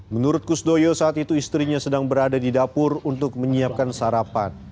menurut kusdoyo saat itu istrinya sedang berada di dapur untuk menyiapkan sarapan